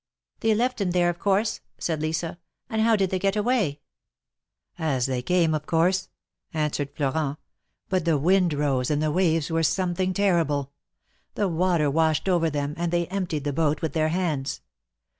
"They left him there, of course," said Lisa, "and how did they get away ?" "As they came, of course," answered Florent, " but the THE MAEKETS OF PAEIS. 117 tvind rose, and the waves were something terrible. The water washed over them, and they emptied the boat with their hands.